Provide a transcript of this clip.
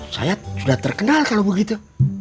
saya sudah terkenal kalau begitu